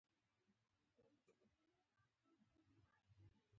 نوي فکرونه په سر کې لرل